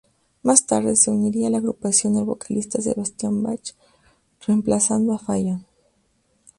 Más tarde se uniría a la agrupación el vocalista Sebastian Bach, reemplazando a Fallon.